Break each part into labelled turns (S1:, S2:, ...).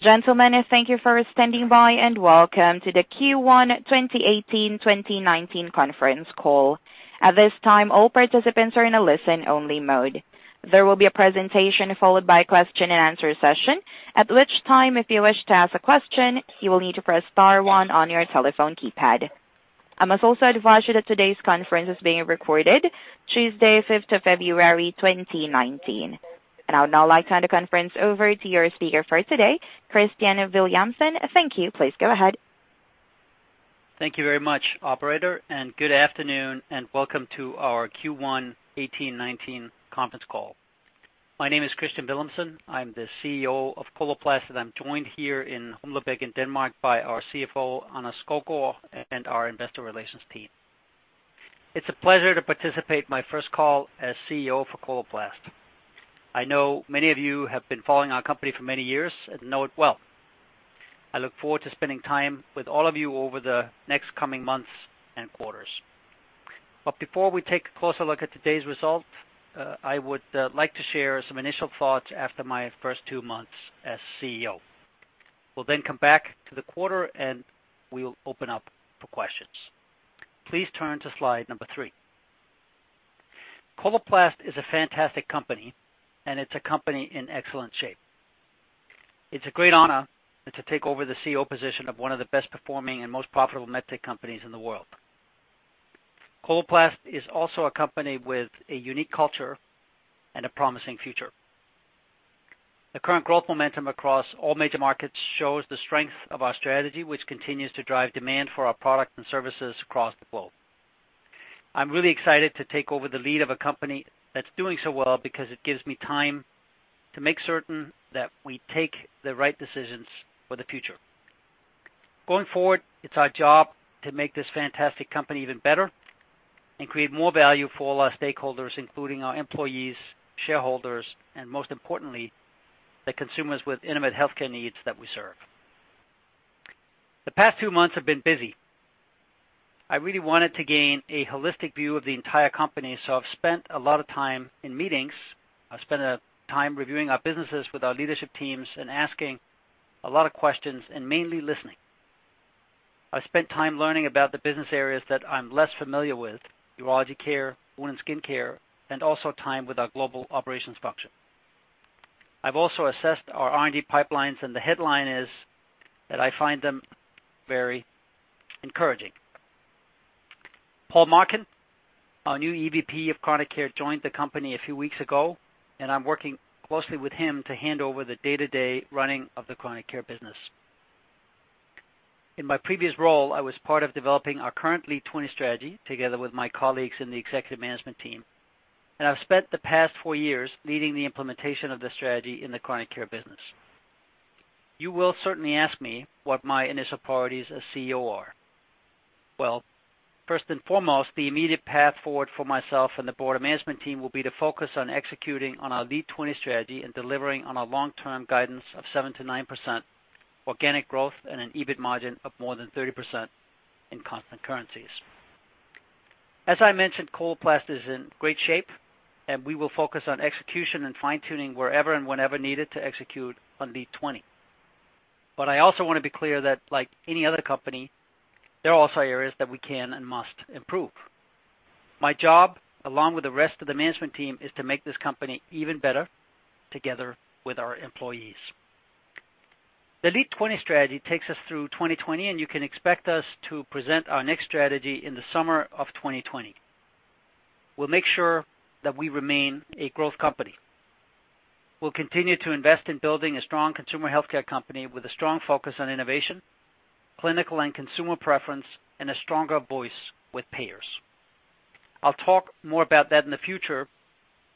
S1: Gentlemen, thank you for standing by, and welcome to the Q1 2018/2019 conference call. At this time, all participants are in a listen-only mode. There will be a presentation followed by a question-and-answer session, at which time, if you wish to ask a question, you will need to press star one on your telephone keypad. I must also advise you that today's conference is being recorded, Tuesday, 5th of February, 2019. I would now like to hand the conference over to your speaker for today, Kristian Villumsen. Thank you. Please go ahead.
S2: Thank you very much, operator, good afternoon, and welcome to our Q1 2018-2019 conference call. My name is Kristian Villumsen. I'm the CEO of Coloplast, and I'm joined here in Humlebæk in Denmark by our CFO, Anders Skovgaard, and our investor relations team. It's a pleasure to participate my first call as CEO for Coloplast. I know many of you have been following our company for many years and know it well. Before we take a closer look at today's result, I would like to share some initial thoughts after my first two months as CEO. We'll then come back to the quarter, and we will open up for questions. Please turn to slide number three. Coloplast is a fantastic company, and it's a company in excellent shape. It's a great honor to take over the CEO position of one of the best-performing and most profitable med tech companies in the world. Coloplast is also a company with a unique culture and a promising future. The current growth momentum across all major markets shows the strength of our strategy, which continues to drive demand for our products and services across the globe. I'm really excited to take over the lead of a company that's doing so well because it gives me time to make certain that we take the right decisions for the future. Going forward, it's our job to make this fantastic company even better and create more value for all our stakeholders, including our employees, shareholders, and most importantly, the consumers with intimate healthcare needs that we serve. The past two months have been busy. I really wanted to gain a holistic view of the entire company, so I've spent a lot of time in meetings. I've spent time reviewing our businesses with our leadership teams and asking a lot of questions and mainly listening. I've spent time learning about the business areas that I'm less familiar with, urology care, wound and skin care, and also time with our global operations function. I've also assessed our R&D pipelines, and the headline is that I find them very encouraging. Poul Marcun, our new EVP of Chronic Care, joined the company a few weeks ago, and I'm working closely with him to hand over the day-to-day running of the chronic care business. In my previous role, I was part of developing our current LEAD20 strategy, together with my colleagues in the executive management team. I've spent the past four years leading the implementation of the strategy in the Chronic Care business. You will certainly ask me what my initial priorities as CEO are. Well, first and foremost, the immediate path forward for myself and the broader management team will be to focus on executing on our LEAD20 strategy and delivering on our long-term guidance of 7%-9% organic growth and an EBIT margin of more than 30% in constant currencies. As I mentioned, Coloplast is in great shape. We will focus on execution and fine-tuning wherever and whenever needed to execute on LEAD20. I also want to be clear that, like any other company, there are also areas that we can and must improve. My job, along with the rest of the management team, is to make this company even better together with our employees. The LEAD20 strategy takes us through 2020, and you can expect us to present our next strategy in the summer of 2020. We'll make sure that we remain a growth company. We'll continue to invest in building a strong consumer healthcare company with a strong focus on innovation, clinical and consumer preference, and a stronger voice with payers. I'll talk more about that in the future.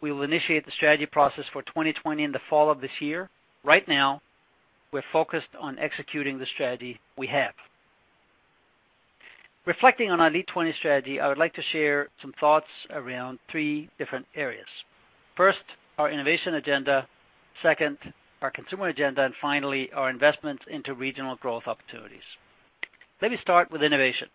S2: We will initiate the strategy process for 2020 in the fall of this year. Right now, we're focused on executing the strategy we have. Reflecting on our LEAD20 strategy, I would like to share some thoughts around three different areas. First, our innovation agenda, second, our consumer agenda. Finally, our investments into regional growth opportunities. Let me start with innovation.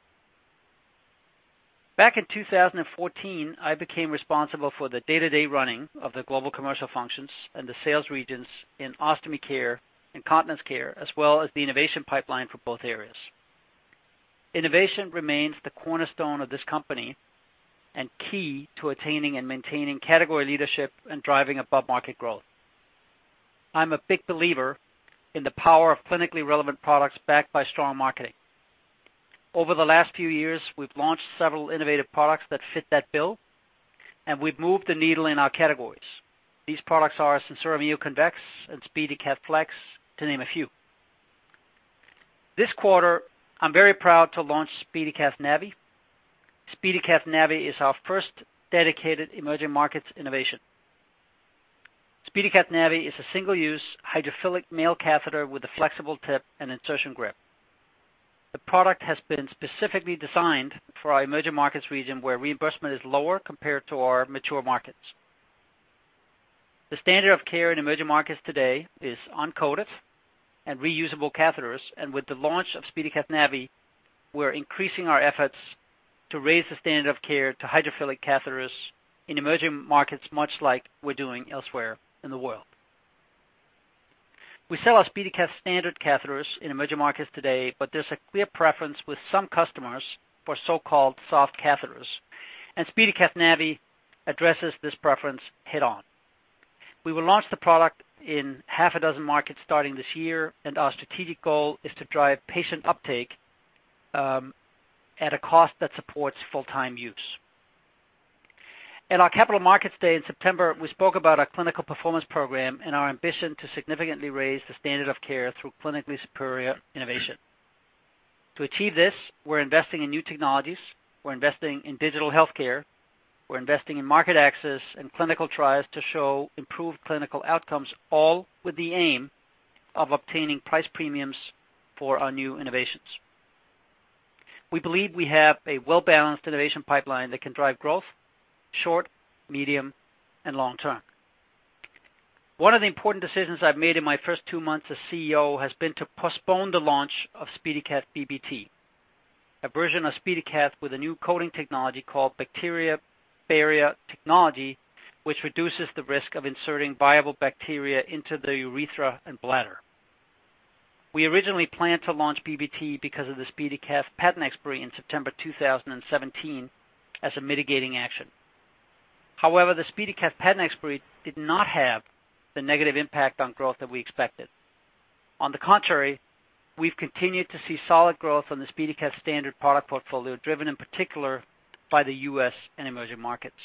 S2: Back in 2014, I became responsible for the day-to-day running of the global commercial functions and the sales regions in ostomy care and continence care, as well as the innovation pipeline for both areas. Innovation remains the cornerstone of this company and key to attaining and maintaining category leadership and driving above-market growth. I'm a big believer in the power of clinically relevant products backed by strong marketing. Over the last few years, we've launched several innovative products that fit that bill, and we've moved the needle in our categories. These products are SenSura Mio Convex and SpeediCath Flex, to name a few. This quarter, I'm very proud to launch SpeediCath Navi. SpeediCath Navi is our first dedicated emerging markets innovation. SpeediCath Navi is a single-use, hydrophilic male catheter with a flexible tip and insertion grip. The product has been specifically designed for our emerging markets region, where reimbursement is lower compared to our mature markets. The standard of care in emerging markets today is uncoated and reusable catheters. We're increasing our efforts to raise the standard of care to hydrophilic catheters in emerging markets, much like we're doing elsewhere in the world. We sell our SpeediCath standard catheters in emerging markets today, but there's a clear preference with some customers for so-called soft catheters. SpeediCath Navi addresses this preference head-on. We will launch the product in half a dozen markets starting this year, and our strategic goal is to drive patient uptake, at a cost that supports full-time use. At our Capital Markets Day in September, we spoke about our Clinical Performance Program and our ambition to significantly raise the standard of care through clinically superior innovation. To achieve this, we're investing in new technologies, we're investing in digital healthcare, we're investing in market access and clinical trials to show improved clinical outcomes, all with the aim of obtaining price premiums for our new innovations. We believe we have a well-balanced innovation pipeline that can drive growth short, medium, and long term. One of the important decisions I've made in my first two months as CEO has been to postpone the launch of SpeediCath BBT, a version of SpeediCath with a new coating technology called Bacteria Barrier Technology, which reduces the risk of inserting viable bacteria into the urethra and bladder. We originally planned to launch BBT because of the SpeediCath patent expiry in September 2 2017 as a mitigating action. The SpeediCath patent expiry did not have the negative impact on growth that we expected. On the contrary, we've continued to see solid growth on the SpeediCath standard product portfolio, driven in particular by the U.S. and emerging markets.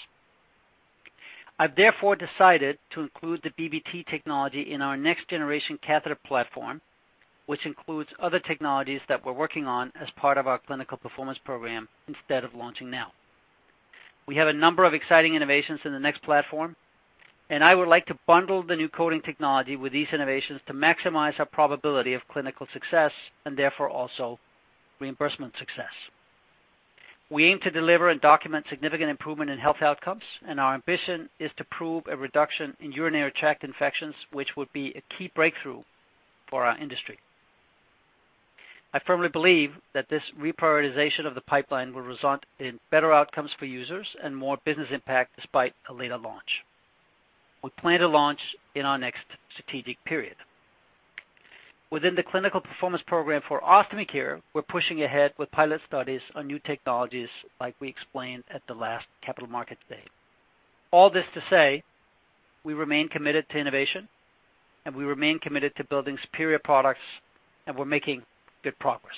S2: I've therefore decided to include the BBT technology in our next generation catheter platform, which includes other technologies that we're working on as part of our Clinical Performance Program, instead of launching now. We have a number of exciting innovations in the next platform, and I would like to bundle the new coating technology with these innovations to maximize our probability of clinical success and therefore also reimbursement success. We aim to deliver and document significant improvement in health outcomes, and our ambition is to prove a reduction in urinary tract infections, which would be a key breakthrough for our industry. I firmly believe that this reprioritization of the pipeline will result in better outcomes for users and more business impact, despite a later launch. We plan to launch in our next strategic period. Within the Clinical Performance Program for ostomy care, we're pushing ahead with pilot studies on new technologies, like we explained at the last Capital Markets Day. All this to say, we remain committed to innovation, and we remain committed to building superior products, and we're making good progress.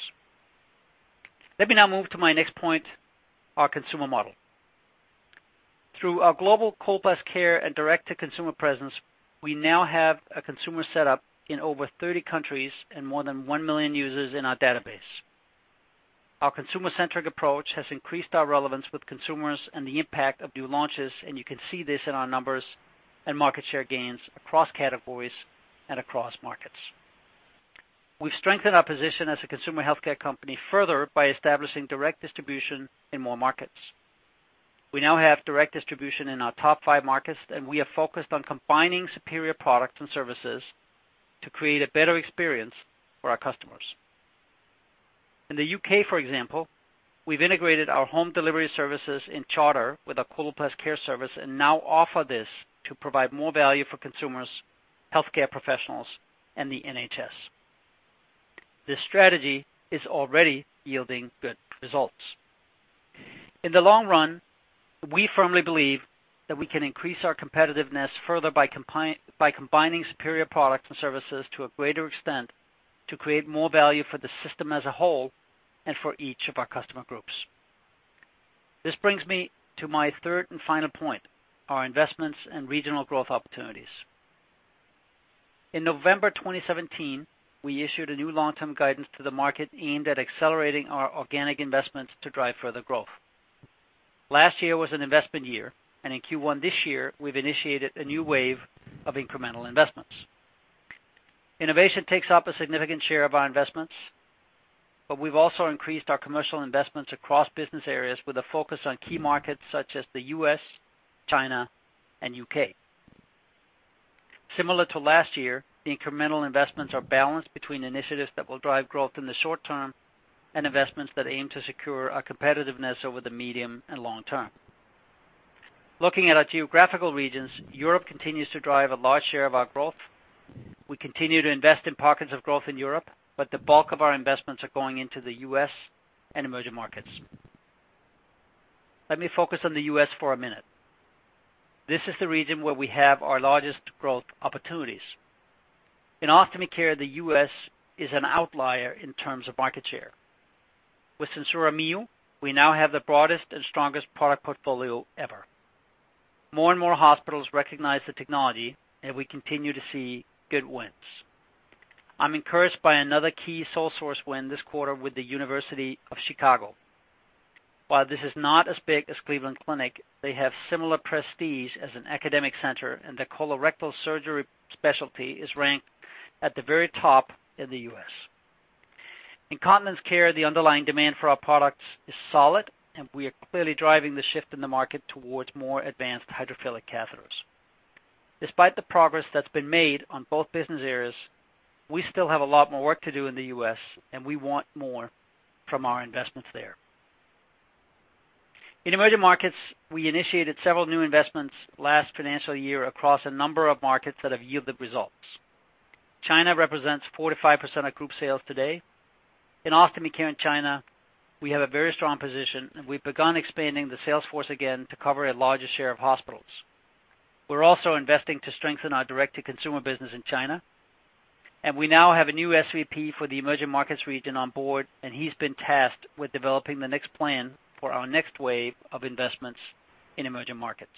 S2: Let me now move to my next point, our consumer model. Through our global Coloplast Care and direct-to-consumer presence, we now have a consumer setup in over 30 countries and more than 1 million users in our database. Our consumer-centric approach has increased our relevance with consumers and the impact of new launches. You can see this in our numbers and market share gains across categories and across markets. We've strengthened our position as a consumer healthcare company further by establishing direct distribution in more markets. We now have direct distribution in our top five markets. We are focused on combining superior products and services to create a better experience for our customers. In the U.K., for example, we've integrated our home delivery services in Coloplast Charter with our Coloplast Care service and now offer this to provide more value for consumers, healthcare professionals, and the NHS. This strategy is already yielding good results. In the long run, we firmly believe that we can increase our competitiveness further by combining superior products and services to a greater extent, to create more value for the system as a whole and for each of our customer groups. This brings me to my third and final point, our investments and regional growth opportunities. In November 2017, we issued a new long-term guidance to the market aimed at accelerating our organic investments to drive further growth. Last year was an investment year, and in Q1 this year, we've initiated a new wave of incremental investments. Innovation takes up a significant share of our investments, but we've also increased our commercial investments across business areas with a focus on key markets such as the U.S., China, and U.K. Similar to last year, the incremental investments are balanced between initiatives that will drive growth in the short term and investments that aim to secure our competitiveness over the medium and long term. Looking at our geographical regions, Europe continues to drive a large share of our growth. We continue to invest in pockets of growth in Europe, but the bulk of our investments are going into the U.S. and emerging markets. Let me focus on the U.S. for one minute. This is the region where we have our largest growth opportunities. In Ostomy Care, the U.S. is an outlier in terms of market share. With SenSura Mio, we now have the broadest and strongest product portfolio ever. More and more hospitals recognize the technology, and we continue to see good wins. I'm encouraged by another key sole source win this quarter with The University of Chicago. While this is not as big as Cleveland Clinic, they have similar prestige as an academic center, and their colorectal surgery specialty is ranked at the very top in the U.S. In continence care, the underlying demand for our products is solid, and we are clearly driving the shift in the market towards more advanced hydrophilic catheters. Despite the progress that's been made on both business areas, we still have a lot more work to do in the U.S., and we want more from our investments there. In emerging markets, we initiated several new investments last financial year across a number of markets that have yielded results. China represents 4% to 5% of group sales today. In Ostomy Care in China, we have a very strong position, and we've begun expanding the sales force again to cover a larger share of hospitals. We're also investing to strengthen our direct-to-consumer business in China. We now have a new SVP for the emerging markets region on board. He's been tasked with developing the next plan for our next wave of investments in emerging markets.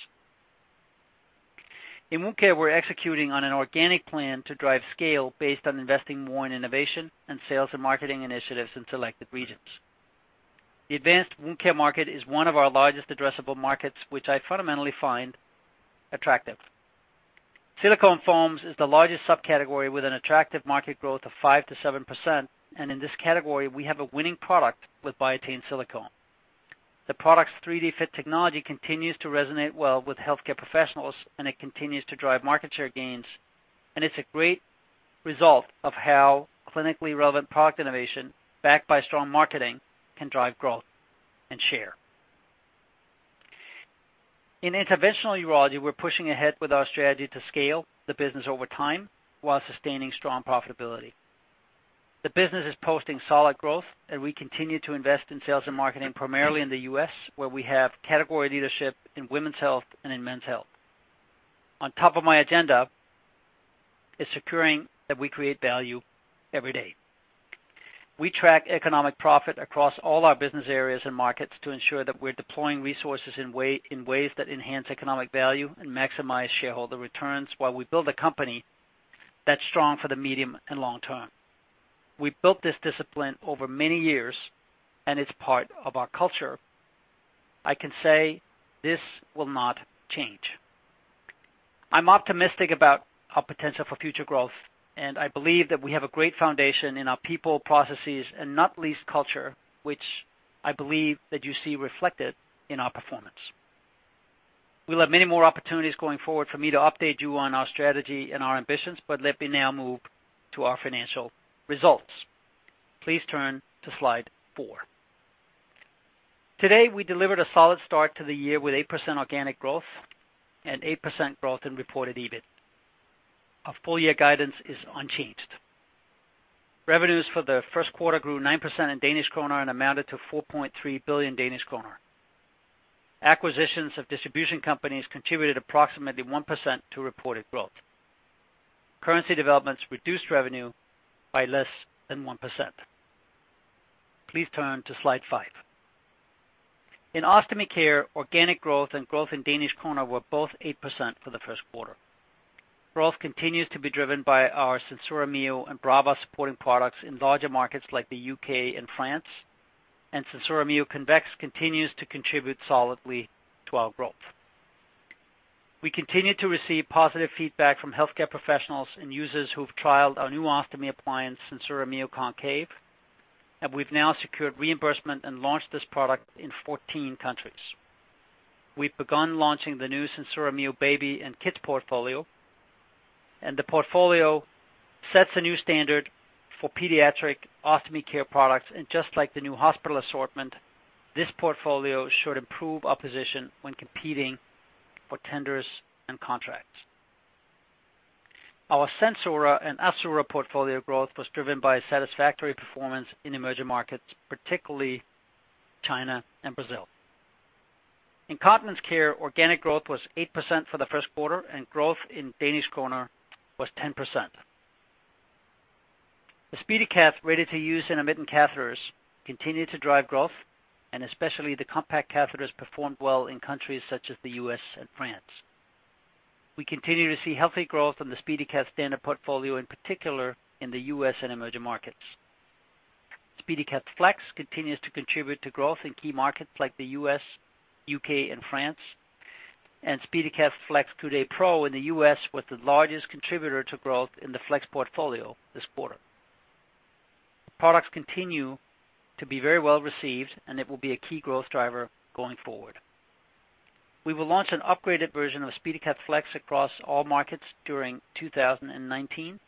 S2: In Wound Care, we're executing on an organic plan to drive scale based on investing more in innovation and sales and marketing initiatives in selected regions. The advanced wound care market is one of our largest addressable markets, which I fundamentally find attractive. Silicone foams is the largest subcategory, with an attractive market growth of 5%-7%. In this category, we have a winning product with Biatain Silicone. The product's 3DFit Technology continues to resonate well with healthcare professionals. It continues to drive market share gains. It's a great result of how clinically relevant product innovation, backed by strong marketing, can drive growth and share. In Interventional Urology, we're pushing ahead with our strategy to scale the business over time while sustaining strong profitability. The business is posting solid growth, and we continue to invest in sales and marketing, primarily in the U.S., where we have category leadership in women's health and in men's health. On top of my agenda is securing that we create value every day. We track economic profit across all our business areas and markets to ensure that we're deploying resources in ways that enhance economic value and maximize shareholder returns, while we build a company that's strong for the medium and long term. We've built this discipline over many years, and it's part of our culture. I can say this will not change. I'm optimistic about our potential for future growth. I believe that we have a great foundation in our people, processes, and not least, culture, which I believe that you see reflected in our performance. We'll have many more opportunities going forward for me to update you on our strategy and our ambitions. Let me now move to our financial results. Please turn to slide four. Today, we delivered a solid start to the year with 8% organic growth and 8% growth in reported EBIT. Our full year guidance is unchanged. Revenues for the first quarter grew 9% in Danish kroner and amounted to 4.3 billion Danish kroner. Acquisitions of distribution companies contributed approximately 1% to reported growth. Currency developments reduced revenue by less than 1%. Please turn to slide five. In Ostomy Care, organic growth and growth in Danish Krone were both 8% for the first quarter. Growth continues to be driven by our SenSura Mio and Brava supporting products in larger markets like the U.K. and France. SenSura Mio Convex continues to contribute solidly to our growth. We continue to receive positive feedback from healthcare professionals and users who've trialed our new ostomy appliance, SenSura Mio Concave. We've now secured reimbursement and launched this product in 14 countries. We've begun launching the new SenSura Mio Baby and Kids portfolio. The portfolio sets a new standard for pediatric Ostomy Care products. Just like the new hospital assortment, this portfolio should improve our position when competing for tenders and contracts. Our SenSura and Assura portfolio growth was driven by a satisfactory performance in emerging markets, particularly China and Brazil. In Continence Care, organic growth was 8% for the first quarter. Growth in Danish kroner was 10%. The SpeediCath ready-to-use intermittent catheters continued to drive growth. Especially the compact catheters performed well in countries such as the U.S. and France. We continue to see healthy growth in the SpeediCath standard portfolio, in particular in the U.S. and emerging markets. SpeediCath Flex continues to contribute to growth in key markets like the U.S., U.K., and France. SpeediCath Flex Coudé Pro in the U.S. was the largest contributor to growth in the Flex portfolio this quarter. Products continue to be very well received. It will be a key growth driver going forward. We will launch an upgraded version of SpeediCath Flex across all markets during 2019.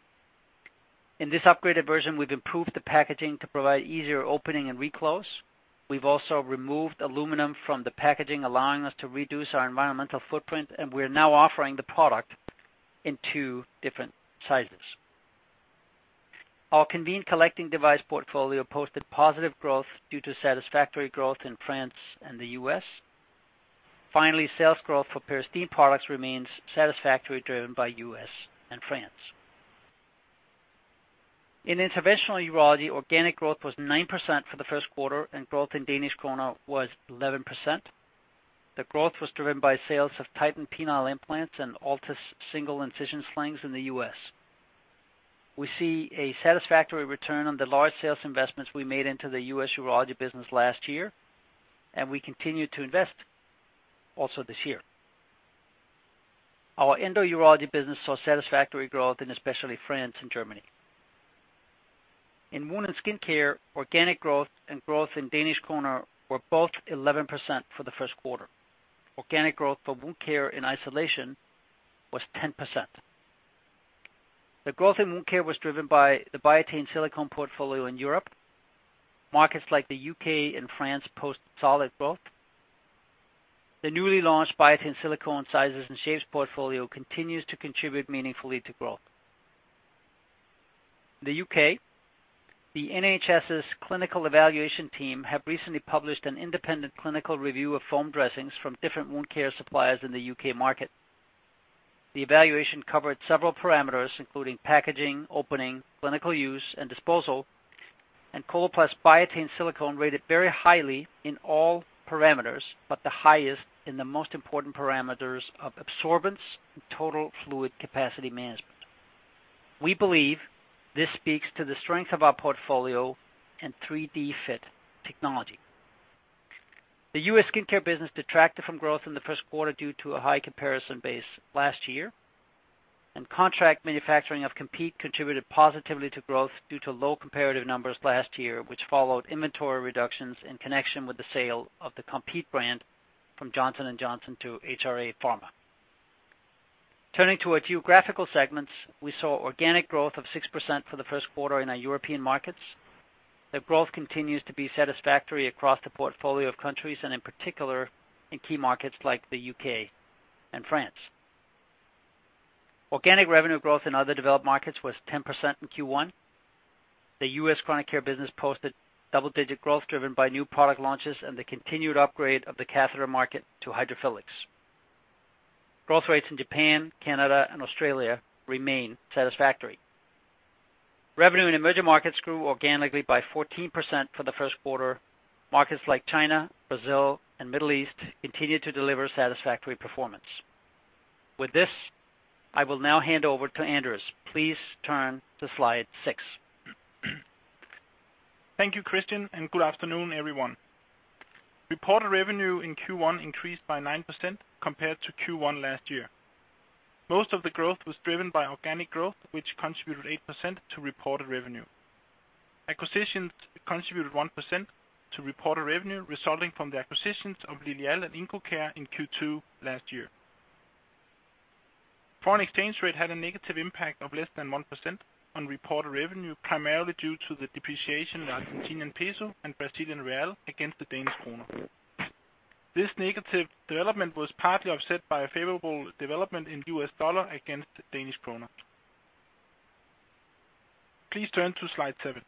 S2: In this upgraded version, we've improved the packaging to provide easier opening and reclose. We've also removed aluminum from the packaging, allowing us to reduce our environmental footprint, and we are now offering the product in two different sizes. Our Conveen collecting device portfolio posted positive growth due to satisfactory growth in France and the U.S. Finally, sales growth for Peristeen products remains satisfactory, driven by U.S. and France. In Interventional Urology, organic growth was 9% for the first quarter, and growth in Danish Krone was 11%. The growth was driven by sales of Titan penile implants and Altis single incision slings in the U.S. We see a satisfactory return on the large sales investments we made into the U.S. urology business last year, and we continue to invest also this year. Our endourology business saw satisfactory growth in especially France and Germany. In wound and skin care, organic growth and growth in Danish Krone were both 11% for the first quarter. Organic growth for wound care in isolation was 10%. The growth in wound care was driven by the Biatain Silicone portfolio in Europe. Markets like the U.K. and France post solid growth. The newly launched Biatain Silicone sizes and shapes portfolio continues to contribute meaningfully to growth. The U.K., the NHS's clinical evaluation team have recently published an independent clinical review of foam dressings from different wound care suppliers in the U.K. market. The evaluation covered several parameters, including packaging, opening, clinical use, and disposal, and Coloplast Biatain Silicone rated very highly in all parameters, but the highest in the most important parameters of absorbance and total fluid capacity management. We believe this speaks to the strength of our portfolio and 3DFit Technology. The U.S. skincare business detracted from growth in the first quarter due to a high comparison base last year, and contract manufacturing of Compeed contributed positively to growth due to low comparative numbers last year, which followed inventory reductions in connection with the sale of the Compeed brand from Johnson & Johnson to HRA Pharma. Turning to our geographical segments, we saw organic growth of 6% for the first quarter in our European markets. The growth continues to be satisfactory across the portfolio of countries, and in particular, in key markets like the U.K. and France. Organic revenue growth in other developed markets was 10% in Q1. The U.S. chronic care business posted double-digit growth, driven by new product launches and the continued upgrade of the catheter market to hydrophilics. Growth rates in Japan, Canada, and Australia remain satisfactory. Revenue in emerging markets grew organically by 14% for the first quarter. Markets like China, Brazil, and Middle East continued to deliver satisfactory performance. With this, I will now hand over to Anders. Please turn to slide six.
S3: Thank you, Kristian. Good afternoon, everyone. Reported revenue in Q1 increased by 9% compared to Q1 last year. Most of the growth was driven by organic growth, which contributed 8% to reported revenue. Acquisitions contributed 1% to reported revenue, resulting from the acquisitions of Lilial and Incocare in Q2 last year. Foreign exchange rate had a negative impact of less than 1% on reported revenue, primarily due to the depreciation in Argentinian peso and Brazilian real against the Danish kroner. Negative development was partly offset by a favorable development in US dollar against Danish kroner. Please turn to slide seven.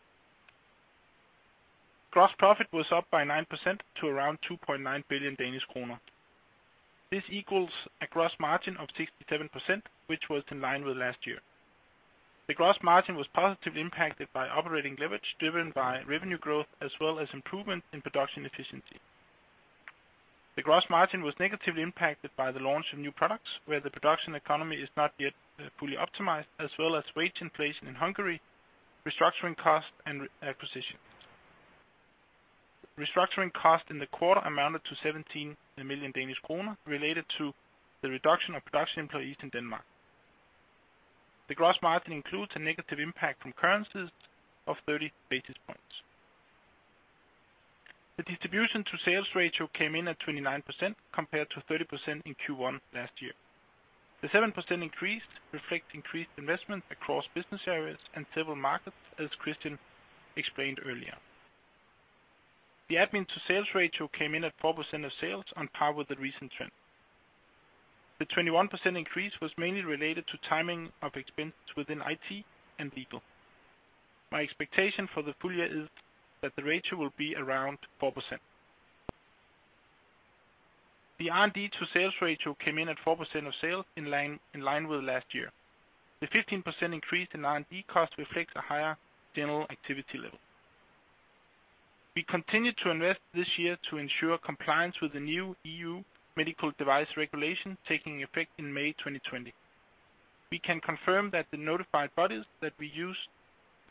S3: Gross profit was up by 9% to around 2.9 billion Danish kroner. This equals a gross margin of 67%, which was in line with last year. The gross margin was positively impacted by operating leverage, driven by revenue growth as well as improvement in production efficiency. The gross margin was negatively impacted by the launch of new products, where the production economy is not yet fully optimized, as well as wage inflation in Hungary, restructuring costs, and acquisitions. Restructuring cost in the quarter amounted to 17 million Danish kroner, related to the reduction of production employees in Denmark. The gross margin includes a negative impact from currencies of 30 basis points. The distribution to sales ratio came in at 29%, compared to 30% in Q1 last year. The 7% increase reflect increased investment across business areas and several markets, as Kristian explained earlier. The admin to sales ratio came in at 4% of sales on par with the recent trend. The 21% increase was mainly related to timing of expense within IT and legal. My expectation for the full year is that the ratio will be around 4%. The R&D to sales ratio came in at 4% of sales, in line with last year. The 15% increase in R&D costs reflects a higher general activity level. We continued to invest this year to ensure compliance with the new EU Medical Device Regulation taking effect in May 2020. We can confirm that the notified bodies that we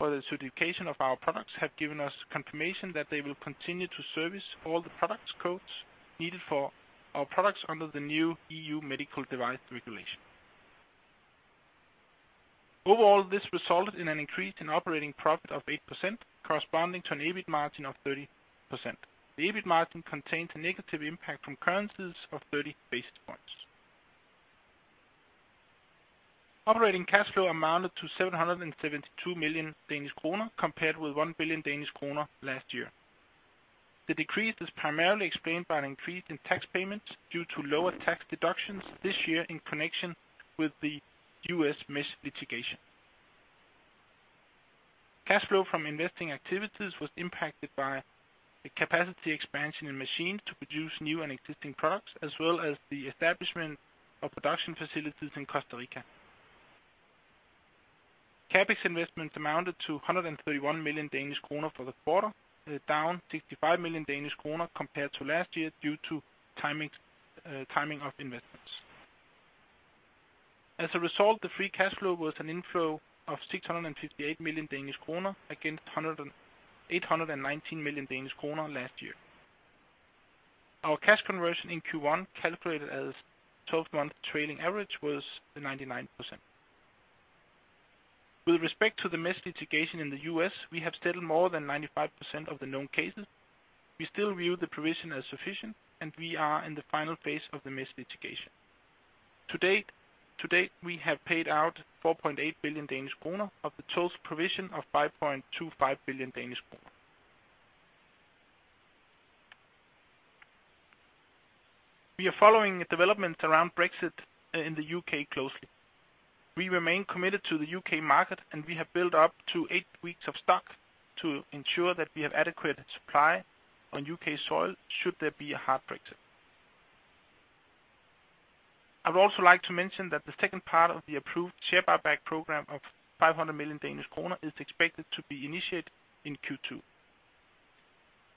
S3: use for the certification of our products have given us confirmation that they will continue to service all the products codes needed for our products under the new EU Medical Device Regulation. Overall, this resulted in an increase in operating profit of 8%, corresponding to an EBIT margin of 30%. The EBIT margin contains a negative impact from currencies of 30 basis points. Operating cash flow amounted to 772 million Danish kroner, compared with 1 billion Danish kroner last year. The decrease is primarily explained by an increase in tax payments due to lower tax deductions this year in connection with the U.S. mesh litigation. Cash flow from investing activities was impacted by the capacity expansion in machines to produce new and existing products, as well as the establishment of production facilities in Costa Rica. CapEx investments amounted to 131 million Danish kroner for the quarter, down 65 million Danish kroner compared to last year, due to timing of investments. As a result, the free cash flow was an inflow of 658 million Danish kroner against 819 million Danish kroner last year. Our cash conversion in Q1, calculated as a 12-month trailing average, was the 99%. With respect to the mesh litigation in the U.S., we have settled more than 95% of the known cases. We still view the provision as sufficient, and we are in the final phase of the mesh litigation. To date, we have paid out 4.8 billion Danish kroner of the total provision of 5.25 billion Danish kroner. We are following the developments around Brexit in the U.K. closely. We remain committed to the U.K. market, and we have built up to eight weeks of stock to ensure that we have adequate supply on U.K. soil should there be a hard Brexit. I would also like to mention that the second part of the approved share buyback program of 500 million Danish kroner is expected to be initiated in Q2.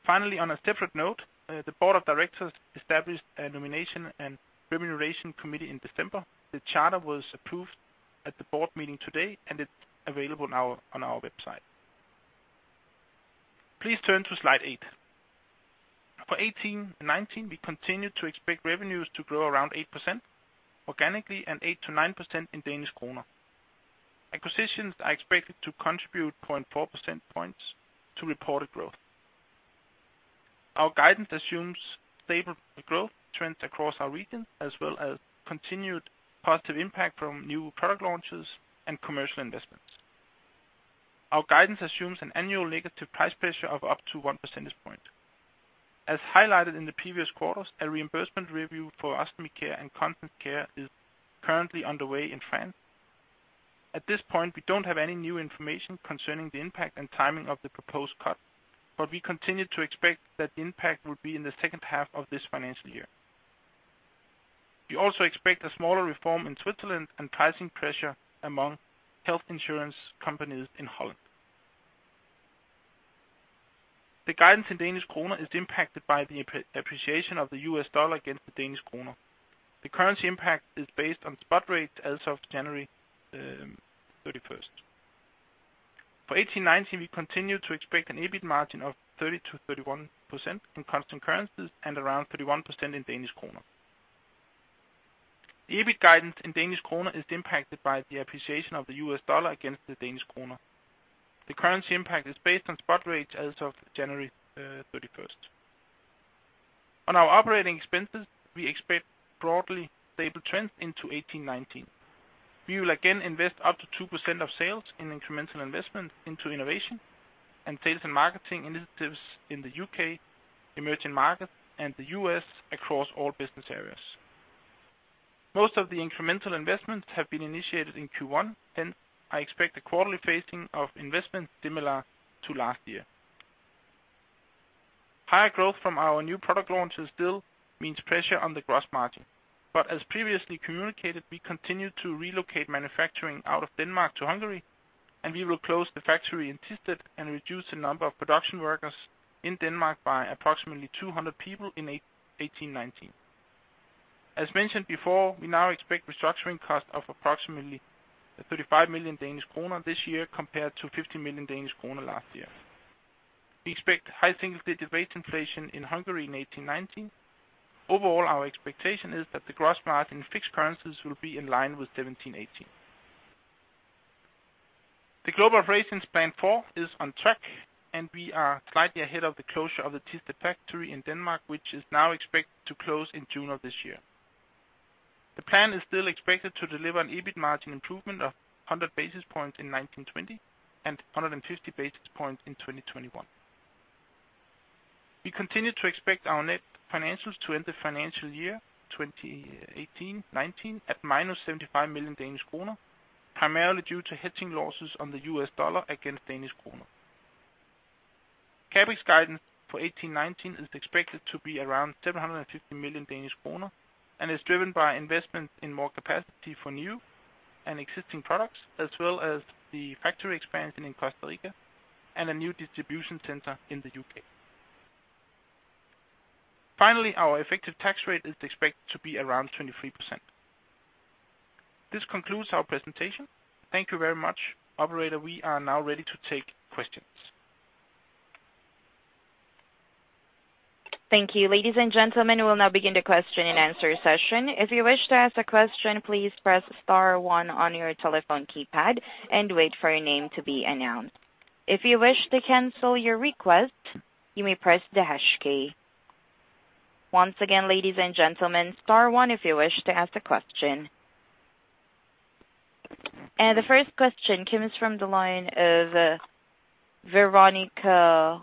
S3: On a separate note, the board of directors established a nomination and remuneration committee in December. The charter was approved at the board meeting today, and it's available now on our website. Please turn to slide eight. For 18 and 19, we continue to expect revenues to grow around 8% organically and 8%-9% in DKK. Acquisitions are expected to contribute 0.4 percentage points to reported growth. Our guidance assumes stable growth trends across our region, as well as continued positive impact from new product launches and commercial investments. Our guidance assumes an annual negative price pressure of up to 1 percentage point. As highlighted in the previous quarters, a reimbursement review for Ostomy Care and Continence Care is currently underway in France. At this point, we don't have any new information concerning the impact and timing of the proposed cut, but we continue to expect that the impact will be in the second half of this financial year. We also expect a smaller reform in Switzerland and pricing pressure among health insurance companies in Holland. The guidance in Danish kroner is impacted by the appreciation of the US dollar against the Danish kroner. The currency impact is based on spot rates as of January, 31st. For 2018-2019, we continue to expect an EBIT margin of 30%-31% in constant currencies and around 31% in Danish kroner. The EBIT guidance in Danish kroner is impacted by the appreciation of the US dollar against the Danish kroner. The currency impact is based on spot rates as of January 31st. On our operating expenses, we expect broadly stable trends into 2018-2019. We will again invest up to 2% of sales in incremental investment into innovation and sales and marketing initiatives in the U.K., emerging markets, and the U.S. across all business areas. Most of the incremental investments have been initiated in Q1, and I expect a quarterly phasing of investments similar to last year. Higher growth from our new product launches still means pressure on the gross margin. As previously communicated, we continue to relocate manufacturing out of Denmark to Hungary, and we will close the factory in Thisted and reduce the number of production workers in Denmark by approximately 200 people in 2018-2019. As mentioned before, we now expect restructuring costs of approximately 35 million Danish kroner this year, compared to 50 million Danish kroner last year. We expect high single-digit rate inflation in Hungary in 2018 2019. Overall, our expectation is that the gross margin in fixed currencies will be in line with 2017 2018. The Global Operations Plan 4 is on track, and we are slightly ahead of the closure of the Dragsbæk factory in Denmark, which is now expected to close in June of this year. The plan is still expected to deliver an EBIT margin improvement of 100 basis points in 2019 2020 and 150 basis points in 2020 2021. We continue to expect our net financials to end the financial year 2018 2019 at minus 75 million Danish kroner, primarily due to hedging losses on the U.S. dollar against Danish kroner. CapEx guidance for 2018-2019 is expected to be around 750 million Danish kroner and is driven by investment in more capacity for new and existing products, as well as the factory expansion in Costa Rica and a new distribution center in the U.K. Our effective tax rate is expected to be around 23%. This concludes our presentation. Thank you very much. Operator, we are now ready to take questions.
S1: Thank you. Ladies and gentlemen, we will now begin the question-and-answer session. If you wish to ask a question, please press star one on your telephone keypad and wait for your name to be announced. If you wish to cancel your request, you may press the hash key. Once again, ladies and gentlemen, star one if you wish to ask a question. The first question comes from the line of Veronika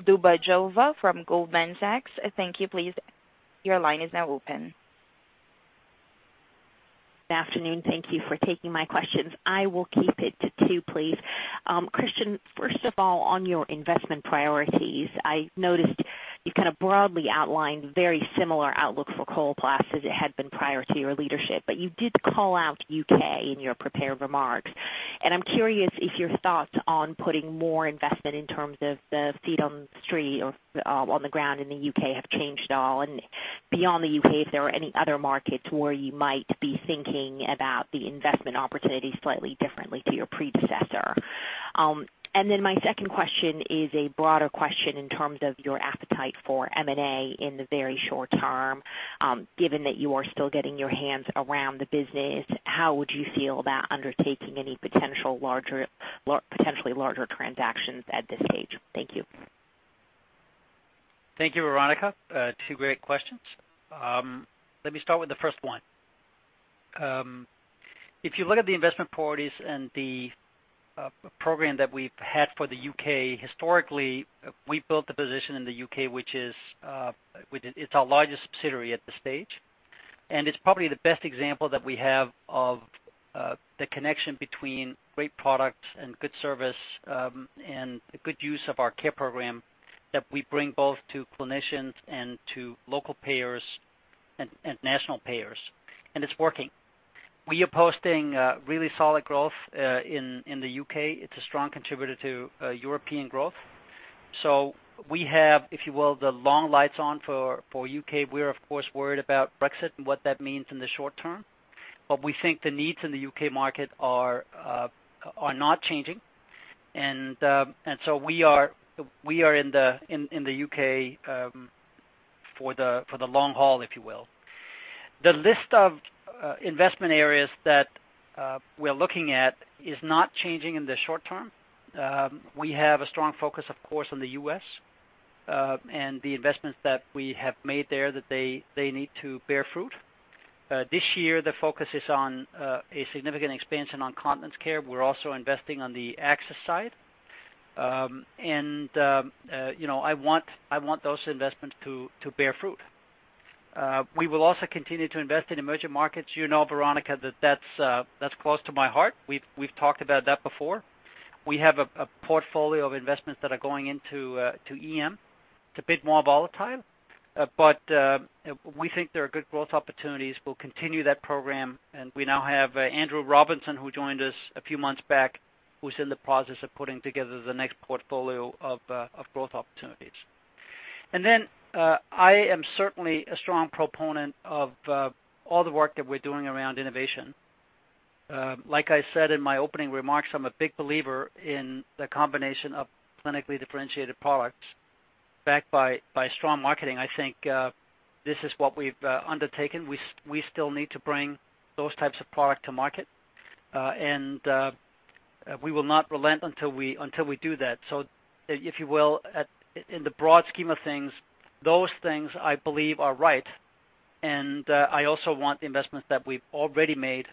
S1: Dubajova from Goldman Sachs. Thank you. Please, your line is now open.
S4: Good afternoon. Thank you for taking my questions. I will keep it to two, please. Kristian, first of all, on your investment priorities, I noticed you kind of broadly outlined very similar outlook for Coloplast as it had been prior to your leadership. You did call out U.K. in your prepared remarks, and I'm curious if your thoughts on putting more investment in terms of the feet on the street or on the ground in the U.K. have changed at all, and beyond the U.K., if there are any other markets where you might be thinking about the investment opportunity slightly differently to your predecessor? Then my second question is a broader question in terms of your appetite for M&A in the very short term. Given that you are still getting your hands around the business, how would you feel about undertaking any potential larger, potentially larger transactions at this stage? Thank you.
S2: Thank you, Veronika. Two great questions. Let me start with the first one. If you look at the investment priorities and the program that we've had for the U.K., historically, we built the position in the U.K., which is it's our largest subsidiary at this stage. It's probably the best example that we have of the connection between great products and good service, and a good use of our Coloplast Care program that we bring both to clinicians and to local payers and national payers, and it's working. We are posting really solid growth in the U.K. It's a strong contributor to European growth. We have, if you will, the long lights on for the U.K. We're, of course, worried about Brexit and what that means in the short term, but we think the needs in the UK market are not changing. We are in the U.K. for the long haul, if you will. The list of investment areas that we're looking at is not changing in the short term. We have a strong focus, of course, on the U.S., and the investments that we have made there, that they need to bear fruit. This year, the focus is on a significant expansion on continence care. We're also investing on the access side. You know, I want those investments to bear fruit. We will also continue to invest in emerging markets. You know, Veronica, that's close to my heart. We've talked about that before. We have a portfolio of investments that are going into EM. It's a bit more volatile, but we think there are good growth opportunities. We'll continue that program, and we now have Andrew Robinson, who joined us a few months back, who's in the process of putting together the next portfolio of growth opportunities. I am certainly a strong proponent of all the work that we're doing around innovation. Like I said in my opening remarks, I'm a big believer in the combination of clinically differentiated products backed by strong marketing. I think this is what we've undertaken. We still need to bring those types of product to market, and we will not relent until we do that. So if you will, at, in the broad scheme of things, those things, I believe, are right, and I also want the investments that we've already made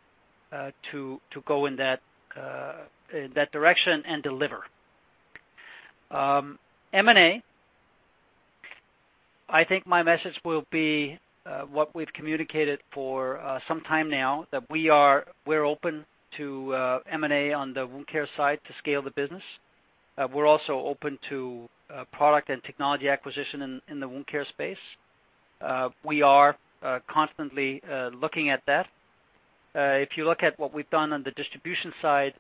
S2: to go in that direction and deliver. M&A, I think my message will be what we've communicated for some time now, that we're open to M&A on the wound care side to scale the business. We're also open to product and technology acquisition in the wound care space. We are constantly looking at that. If you look at what we've done on the distribution side,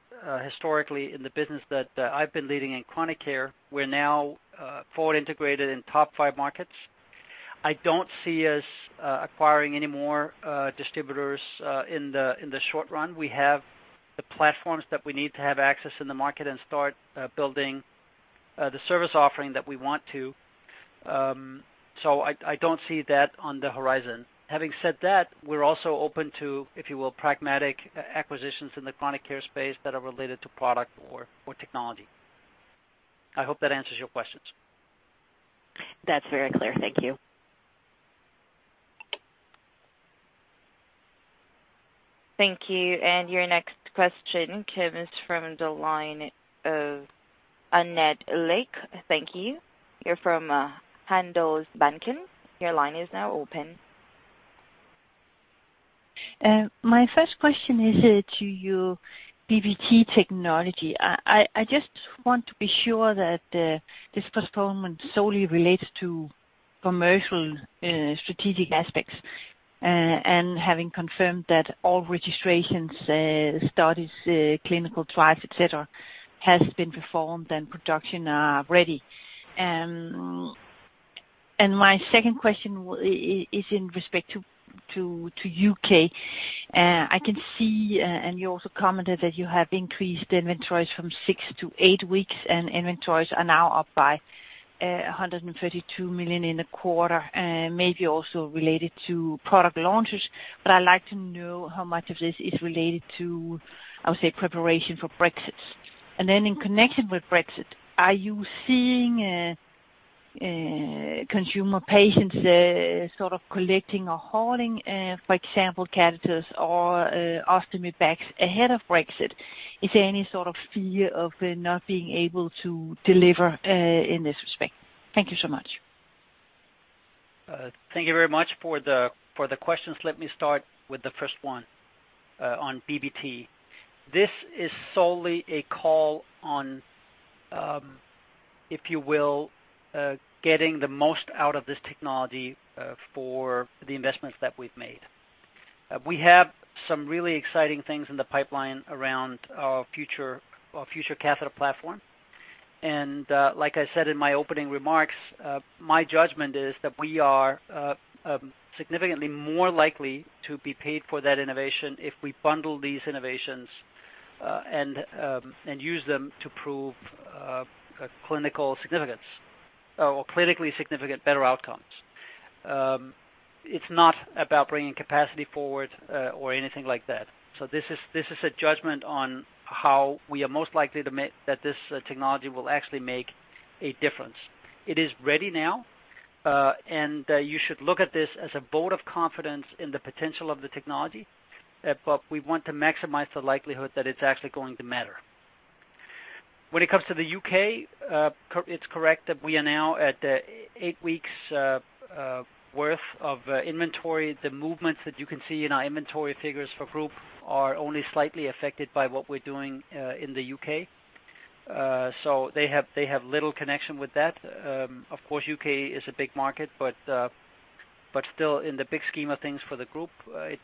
S2: historically, in the business that I've been leading in chronic care, we're now forward integrated in top five markets. I don't see us acquiring any more distributors in the short run. We have the platforms that we need to have access in the market and start building the service offering that we want to. I don't see that on the horizon. Having said that, we're also open to, if you will, pragmatic acquisitions in the chronic care space that are related to product or technology. I hope that answers your questions.
S4: That's very clear. Thank you.
S1: Thank you. Your next question, Kim, is from the line of Annette Ladefoged. Thank you. You're from Handelsbanken. Your line is now open.
S5: My first question is to you, BBT Technology. I just want to be sure that this postponement solely relates to commercial strategic aspects, and having confirmed that all registrations, studies, clinical trials, et cetera, has been performed and production are ready. My second question is in respect to U.K. I can see, and you also commented, that you have increased inventories from six to eight weeks, and inventories are now up by 132 million in a quarter, maybe also related to product launches. I'd like to know how much of this is related to, I would say, preparation for Brexit. In connection with Biatain, are you seeing consumer patients sort of collecting or hoarding, for example, catheters or ostomy bags ahead of Biatain? Is there any sort of fear of not being able to deliver in this respect? Thank you so much.
S2: Thank you very much for the questions. Let me start with the first one on BBT. This is solely a call on, if you will, getting the most out of this technology for the investments that we've made. We have some really exciting things in the pipeline around our future, our future catheter platform. Like I said in my opening remarks, my judgment is that we are significantly more likely to be paid for that innovation if we bundle these innovations and use them to prove a clinical significance or clinically significant better outcomes. It's not about bringing capacity forward or anything like that. This is, this is a judgment on how we are most likely to make that this technology will actually make a difference. It is ready now, you should look at this as a vote of confidence in the potential of the technology, we want to maximize the likelihood that it's actually going to matter. When it comes to the U.K., it's correct that we are now at eight weeks worth of inventory. The movements that you can see in our inventory figures for group are only slightly affected by what we're doing in the U.K. They have little connection with that. Of course, U.K. is a big market, but still, in the big scheme of things for the group,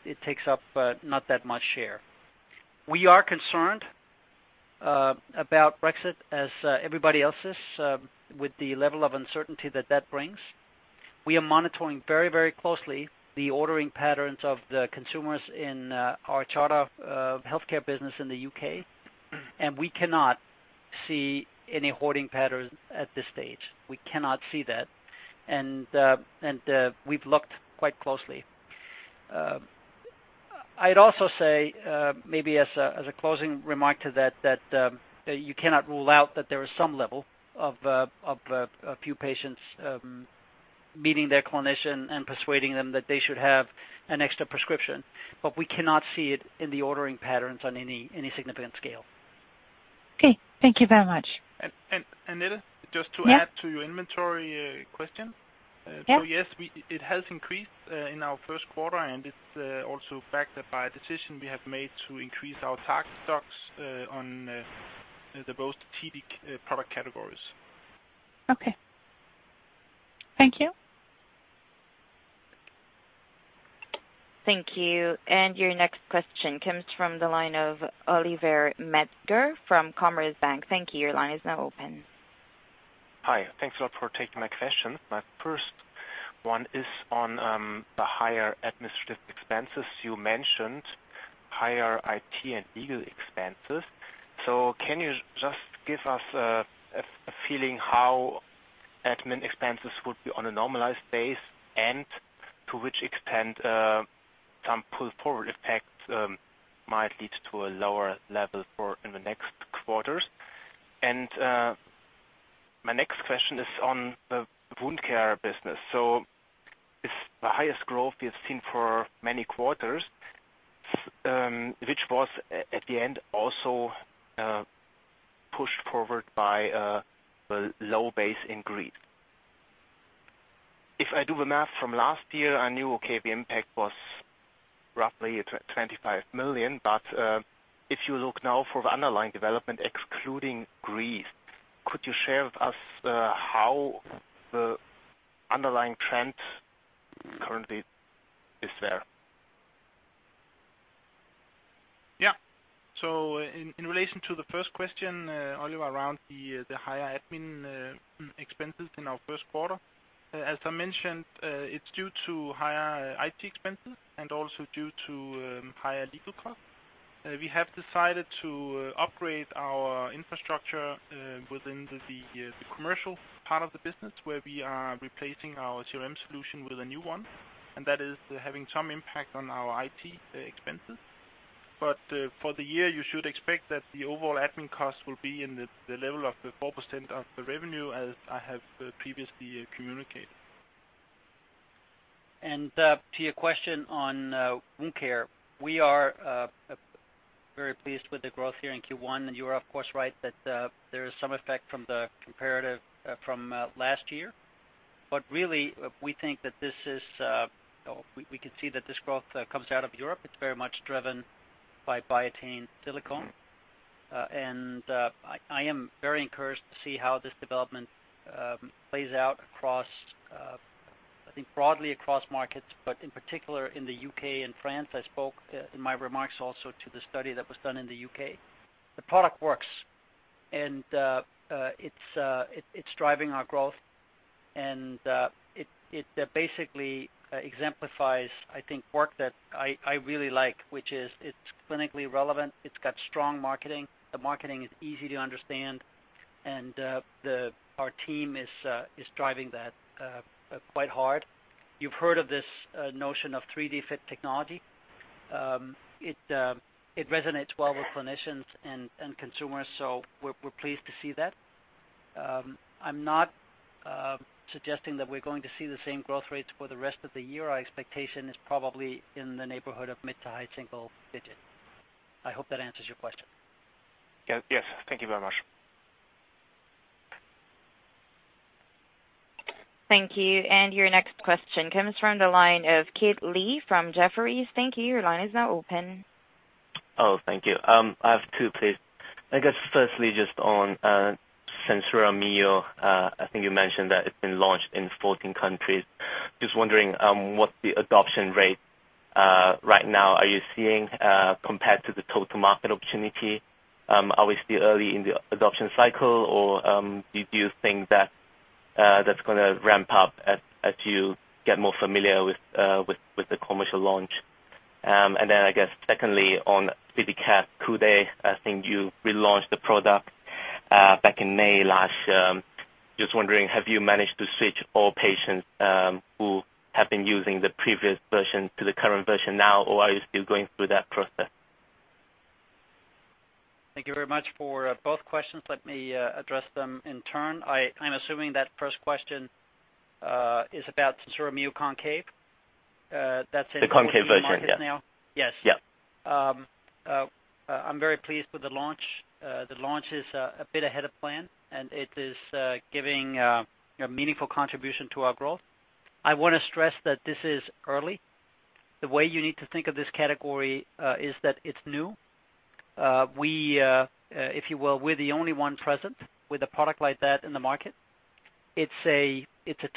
S2: it takes up not that much share. We are concerned about Biatain as everybody else is with the level of uncertainty that that brings. We are monitoring very closely the ordering patterns of the consumers in our Charter healthcare business in the U.K. We cannot see any hoarding patterns at this stage. We cannot see that. We've looked quite closely. I'd also say, maybe as a closing remark to that you cannot rule out that there is some level of a few patients meeting their clinician and persuading them that they should have an extra prescription. We cannot see it in the ordering patterns on any significant scale.
S5: Okay. Thank you very much.
S3: Annette, just to.
S5: Yeah.
S3: To your inventory, question.
S5: Yeah.
S3: Yes, we, it has increased in our first quarter, and it's also backed up by a decision we have made to increase our tax stocks on the most strategic product categories.
S5: Okay. Thank you.
S1: Thank you. Your next question comes from the line of Oliver Metzger from Commerzbank. Thank you. Your line is now open.
S6: Hi. Thanks a lot for taking my question. My first one is on the higher administrative expenses. You mentioned higher IT and legal expenses. Can you just give us a feeling how admin expenses would be on a normalized base, and to which extent some pull forward effects might lead to a lower level for in the next quarters? My next question is on the wound care business. It's the highest growth we have seen for many quarters, which was at the end, also, pushed forward by the low base in Greece. If I do the math from last year, I knew, okay, the impact was roughly 25 million, but if you look now for the underlying development, excluding Greece, could you share with us how the underlying trend currently is there?
S3: In relation to the first question, Oliver Metzger, around the higher admin expenses in our first quarter, as I mentioned, it's due to higher IT expenses and also due to higher legal costs. We have decided to upgrade our infrastructure within the commercial part of the business, where we are replacing our CRM solution with a new one, that is having some impact on our IT expenses. For the year, you should expect that the overall admin costs will be in the level of the 4% of the revenue, as I have previously communicated.
S2: To your question on wound care, we are very pleased with the growth here in Q1. You are, of course, right that there is some effect from the comparative from last year. Really, we can see that this growth comes out of Europe. It's very much driven by Biatain Silicone. I am very encouraged to see how this development plays out across, I think broadly across markets, but in particular in the U.K. and France. I spoke in my remarks also to the study that was done in the UK. The product works, and it's driving our growth, and it basically exemplifies, I think, work that I really like, which is it's clinically relevant. It's got strong marketing. The marketing is easy to understand, and the, our team is driving that quite hard. You've heard of this notion of 3DFit Technology. It resonates well with clinicians and consumers. We're pleased to see that. I'm not suggesting that we're going to see the same growth rates for the rest of the year. Our expectation is probably in the neighborhood of mid to high single digit. I hope that answers your question.
S6: Yes. Yes. Thank you very much.
S1: Thank you. Your next question comes from the line of Kit Lee from Jefferies. Thank you. Your line is now open.
S7: Oh, thank you. I have two, please. I guess firstly, just on, SenSura Mio, I think you mentioned that it's been launched in 14 countries. Just wondering, what the adoption rate is? Right now, are you seeing, compared to the total market opportunity, are we still early in the adoption cycle, or do you think that that's gonna ramp up as you get more familiar with the commercial launch? I guess, secondly, on Peristeen Plus, I think you relaunched the product back in May last year. Just wondering, have you managed to switch all patients who have been using the previous version to the current version now, or are you still going through that process?
S2: Thank you very much for both questions. Let me address them in turn. I'm assuming that first question is about SenSura Mio Concave. That's in.
S7: The Concave version, yeah.
S2: Yes.
S7: Yeah.
S2: I'm very pleased with the launch. The launch is a bit ahead of plan, and it is giving a meaningful contribution to our growth. I want to stress that this is early. The way you need to think of this category is that it's new. We, if you will, we're the only one present with a product like that in the market. It's a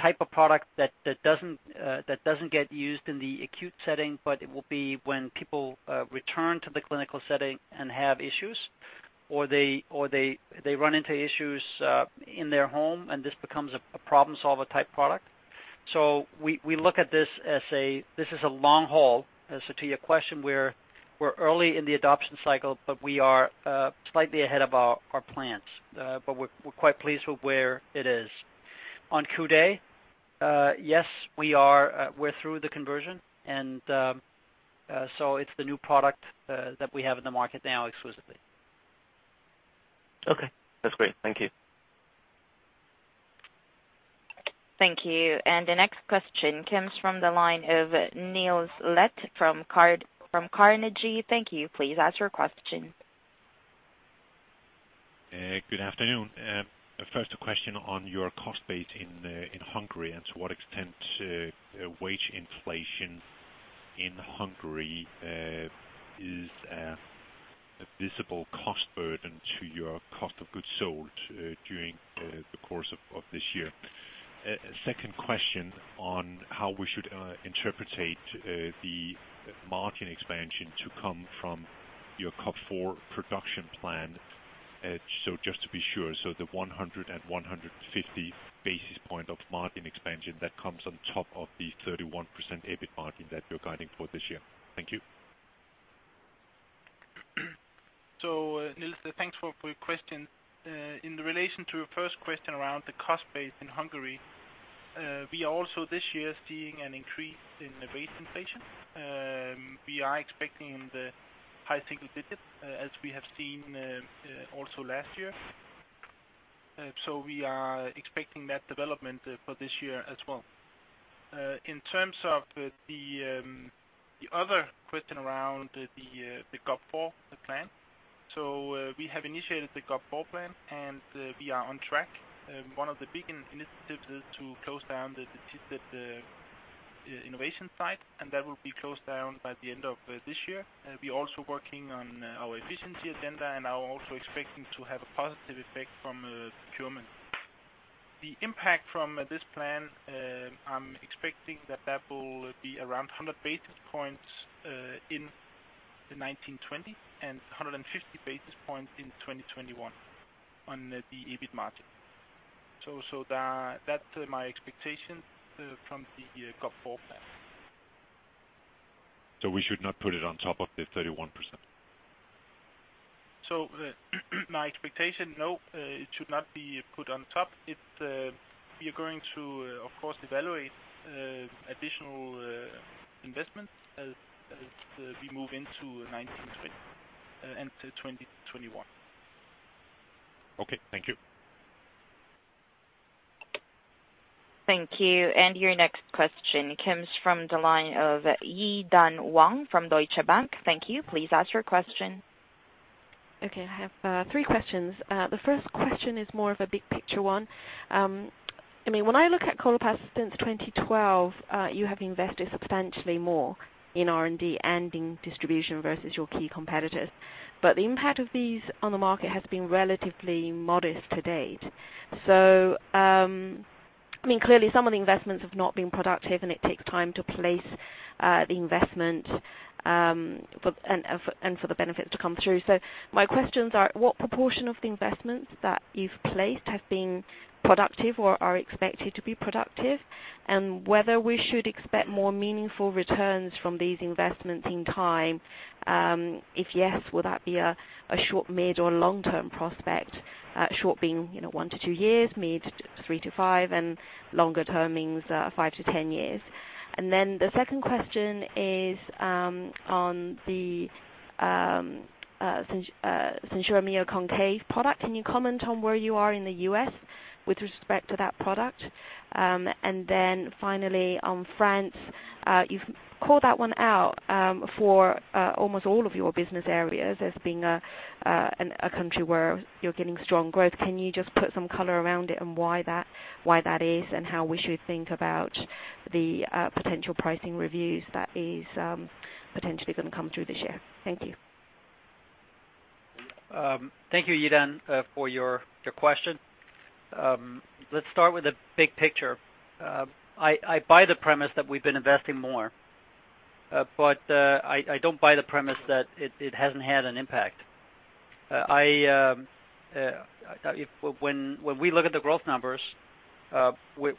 S2: type of product that doesn't get used in the acute setting, but it will be when people return to the clinical setting and have issues, or they run into issues in their home, and this becomes a problem-solver type product. We look at this as a, this is a long haul. To your question, we're early in the adoption cycle, but we are slightly ahead of our plans. We're quite pleased with where it is. On Q Day, yes, we're through the conversion, so it's the new product that we have in the market now exclusively.
S7: Okay. That's great. Thank you.
S1: Thank you. The next question comes from the line of Niels Leth from Carnegie. Thank you. Please ask your question.
S8: Good afternoon. First, a question on your cost base in Hungary, and to what extent wage inflation in Hungary is a visible cost burden to your cost of goods sold during the course of this year? Second question on how we should interpret the margin expansion to come from your COP 4 production plan. Just to be sure, the 150 basis points of margin expansion that comes on top of the 31% EBIT margin that you're guiding for this year. Thank you.
S3: Niels, thanks for your question. In the relation to your first question around the cost base in Hungary, we are also this year seeing an increase in the base inflation. We are expecting the high single digits, as we have seen also last year. We are expecting that development for this year as well. In terms of the other question around the COP 4 plan, we have initiated the COP 4 plan, and we are on track. One of the big initiatives is to close down the innovation site, and that will be closed down by the end of this year. We're also working on our efficiency agenda, and are also expecting to have a positive effect from procurement. The impact from this plan, I'm expecting that that will be around 100 basis points in 2020, and 150 basis points in 2021 on the EBIT margin. That's my expectation from the COP 4 plan.
S8: We should not put it on top of the 31%?
S3: My expectation, no, it should not be put on top. We are going to, of course, evaluate additional investment as we move into 2020 and to 2021.
S8: Okay, thank you.
S1: Thank you. Your next question comes from the line of Yi-Dan Wang from Deutsche Bank. Thank you. Please ask your question.
S9: Okay, I have three questions. The first question is more of a big picture one. I mean, when I look at Coloplast since 2012, you have invested substantially more in R&D and in distribution versus your key competitors. The impact of these on the market has been relatively modest to date. I mean, clearly, some of the investments have not been productive, and it takes time to place the investment, and for the benefits to come through. My questions are, what proportion of the investments that you've placed have been productive or are expected to be productive? Whether we should expect more meaningful returns from these investments in time? If yes, would that be a short, mid, or long-term prospect? Short being, you know, one to two years, mid, three to five, and longer term means five to 10 years. The second question is on the SenSura Mio Concave product. Can you comment on where you are in the U.S. with respect to that product? Finally, on France, you've called that one out for almost all of your business areas as being a country where you're getting strong growth. Can you just put some color around it and why that is, and how we should think about the potential pricing reviews that is potentially going to come through this year? Thank you.
S2: Thank you, Yi-Dan, for your question. Let's start with the big picture. I buy the premise that we've been investing more, but, I don't buy the premise that it hasn't had an impact. I, when we look at the growth numbers,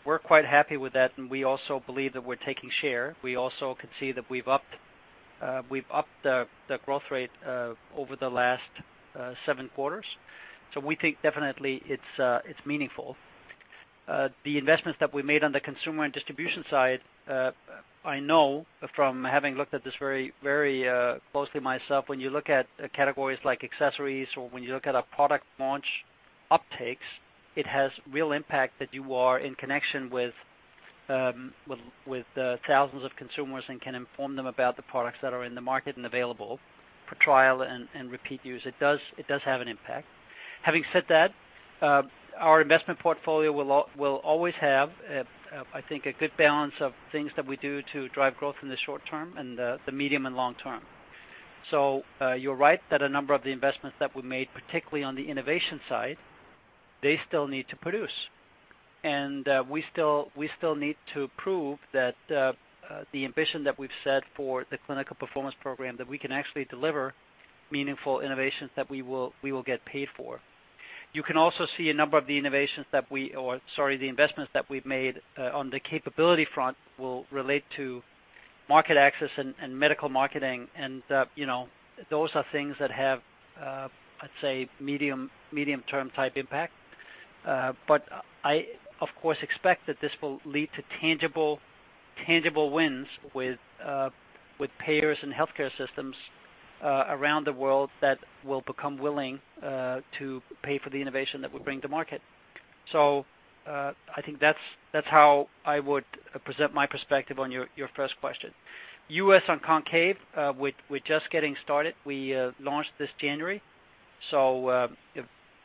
S2: we're quite happy with that, and we also believe that we're taking share. We also can see that we've upped, we've upped the growth rate over the last seven quarters. We think definitely it's meaningful. The investments that we made on the consumer and distribution side, I know from having looked at this very, very closely myself, when you look at categories like accessories or when you look at our product launch uptakes, it has real impact that you are in connection with thousands of consumers and can inform them about the products that are in the market and available for trial and repeat use. It does have an impact. Having said that, our investment portfolio will always have, I think, a good balance of things that we do to drive growth in the short term and the medium and long term. You're right that a number of the investments that we made, particularly on the innovation side, they still need to produce. We still need to prove that the ambition that we've set for the Clinical Performance Program, that we can actually deliver meaningful innovations that we will get paid for. You can also see a number of the innovations that we, sorry, the investments that we've made on the capability front will relate to market access and medical marketing. You know, those are things that have, I'd say, medium-term type impact. But I, of course, expect that this will lead to tangible wins with payers and healthcare systems around the world that will become willing to pay for the innovation that we bring to market. I think that's how I would present my perspective on your first question. U.S. on Concave, we're just getting started. We launched this January,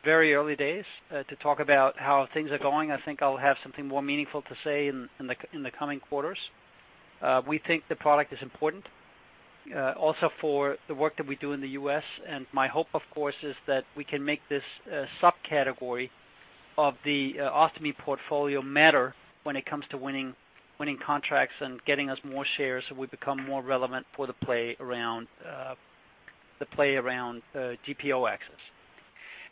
S2: very early days to talk about how things are going. I think I'll have something more meaningful to say in the coming quarters. We think the product is important also for the work that we do in the U.S. My hope, of course, is that we can make this subcategory of the ostomy portfolio matter when it comes to winning contracts and getting us more shares, so we become more relevant for the play around the play around GPO access.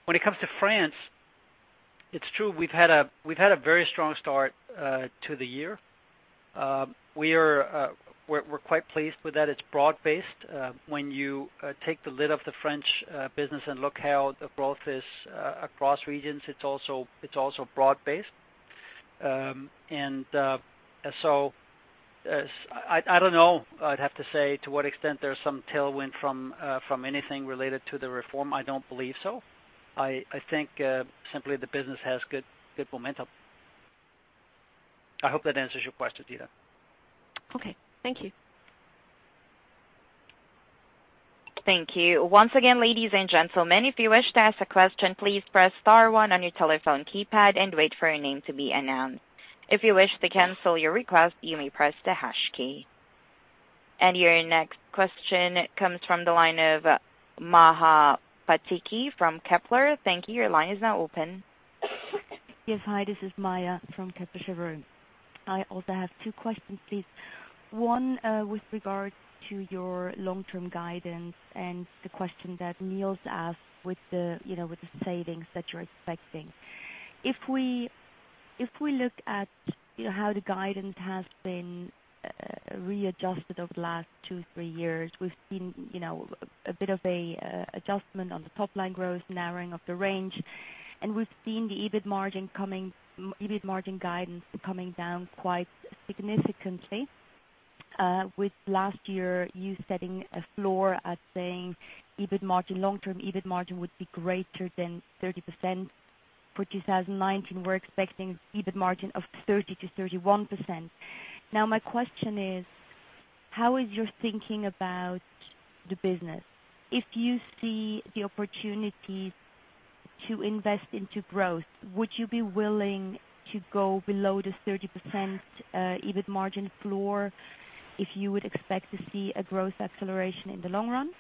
S2: When it comes to France, it's true, we've had a very strong start to the year. We are, we're quite pleased with that. It's broad-based. When you take the lid off the French business and look how the growth is across regions, it's also, it's also broad based. I don't know, I'd have to say, to what extent there's some tailwind from anything related to the reform. I don't believe so. I think simply the business has good momentum. I hope that answers your question, Yi-Dan.
S9: Okay. Thank you.
S1: Thank you. Once again, ladies and gentlemen, if you wish to ask a question, please press star one on your telephone keypad and wait for your name to be announced. If you wish to cancel your request, you may press the hash key. Your next question comes from the line of Maja Pataki from Kepler. Thank you. Your line is now open.
S10: Yes, hi, this is Maja from Kepler Cheuvreux. I also have two questions, please. One, with regard to your long-term guidance and the question that Niels asked with the, you know, with the savings that you're expecting. If we look at, you know, how the guidance has been readjusted over the last two to three years, we've seen, you know, a bit of an adjustment on the top line growth, narrowing of the range. We've seen the EBIT margin guidance coming down quite significantly, with last year, you setting a floor at saying EBIT margin, long-term EBIT margin would be greater than 30%. For 2019, we're expecting EBIT margin of 30%-31%. My question is: How is your thinking about the business? If you see the opportunity to invest into growth, would you be willing to go below this 30% EBIT margin floor if you would expect to see a growth acceleration in the long run?